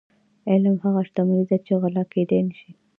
علم هغه شتمني ده چې غلا کیدی نشي.